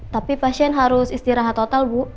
tapi pasien harus istirahat total bu